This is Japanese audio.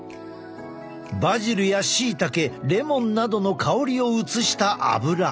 バジルやしいたけレモンなどの香りを移したアブラ。